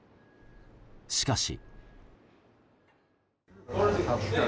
しかし。